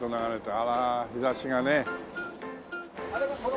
あら日差しがね。